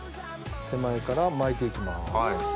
手前から巻いて行きます。